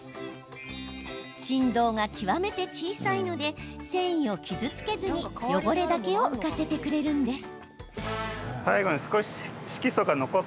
振動が極めて小さいので繊維を傷つけずに汚れだけを浮かせてくれるんです。